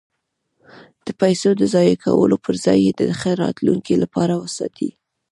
د پیسو د ضایع کولو پرځای یې د ښه راتلونکي لپاره وساتئ.